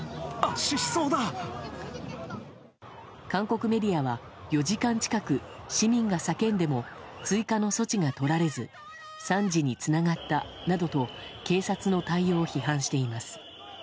韓国メディアは、４時間近く市民が叫んでも追加の措置が取られず３時につながったなどと警察の対応を批判しています。